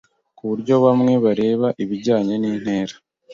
ku buryo bamwe bareba ibijyanye n'intera